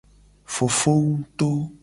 Fofowu to.